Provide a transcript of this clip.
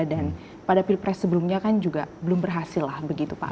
dan pada pilpres sebelumnya kan juga belum berhasil lah begitu pak